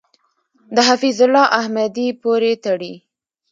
د حفیظ الله احمدی پورې تړي .